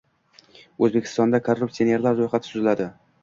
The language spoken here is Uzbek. O‘zbekistonda korrupsionerlar ro‘yxati tuziladi